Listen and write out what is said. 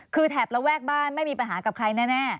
คือแถบระแวกบ้านไม่มีปัญหากับใครแน่